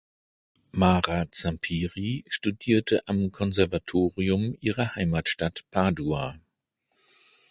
Mara Zampieri studierte am Konservatorium ihrer Heimatstadt Padua.